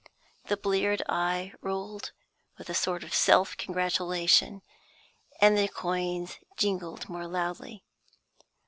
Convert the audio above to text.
The bleared eye rolled with a sort of self congratulation, and the coins jingled more loudly.